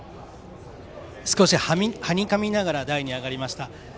少し、はにかみながら台に上がりました。